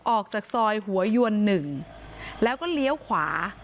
ออกจากซอยหัวยวน๑แล้วก็เลี้ยวขวา